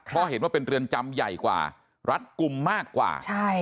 เพราะเห็นว่าเป็นเรือนจำใหญ่กว่ารัฐกลุ่มมากกว่า